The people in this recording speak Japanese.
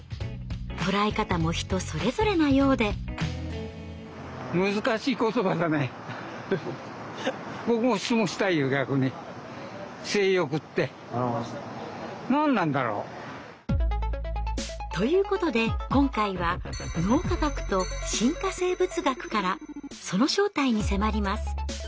捉え方も人それぞれなようで。ということで今回は脳科学と進化生物学からその正体に迫ります。